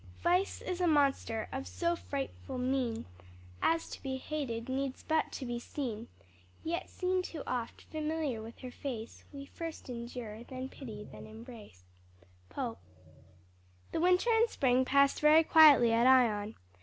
"Vice is a monster of so frightful mien, As to be hated needs but to be seen; Yet seen too oft, familiar with her face, We first endure, then pity, then embrace." POPE. The winter and spring passed very quietly at Ion.